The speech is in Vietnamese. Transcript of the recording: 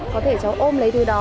có thể cháu ôm lấy thứ đó